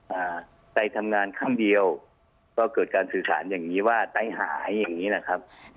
อ่าไตทำงานครั้งเดียวก็เกิดการสื่อสารอย่างงี้ว่าใจหายอย่างงี้นะครับ